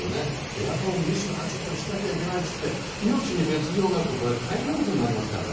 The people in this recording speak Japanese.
エアコン２８度にしなければいけないといって命に別条があると大変なことになりますから。